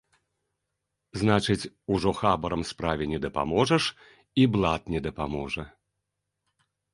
Значыць, ужо хабарам справе не дапаможаш і блат не дапаможа?